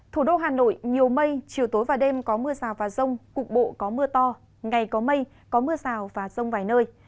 thủ đô hà nội nhiều mây chiều tối và đêm có mưa rào và rông cục bộ có mưa to ngày có mây có mưa rào và rông vài nơi